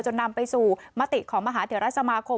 จนนำไปสู่มติของมหาเถียวราชสมาคม